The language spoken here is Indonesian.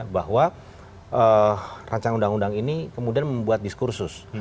bahwa rancangan undang undang ini kemudian membuat diskursus